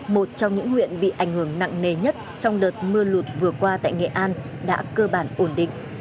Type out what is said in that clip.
một trong những huyện bị ảnh hưởng nặng nề nhất trong đợt mưa lụt vừa qua tại nghệ an đã cơ bản ổn định